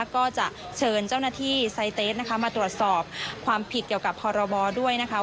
ก็จะเชิญเจ้าหน้าที่ไซเตสนะคะมาตรวจสอบความผิดเกี่ยวกับพรบด้วยนะคะ